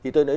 thì tôi nói